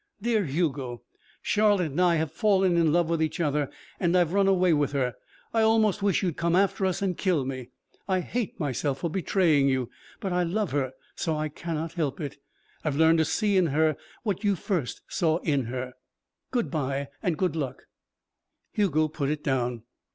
"Dear Hugo Charlotte and I have fallen in love with each other and I've run away with her. I almost wish you'd come after us and kill me. I hate myself for betraying you. But I love her, so I cannot help it. I've learned to see in her what you first saw in her. Good bye, good luck." Hugo put it down.